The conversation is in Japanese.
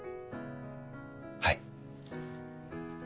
はい。